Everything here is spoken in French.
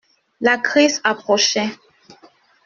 La crise approchait.